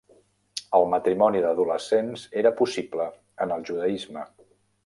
El matrimoni d'adolescents era possible en el judaisme.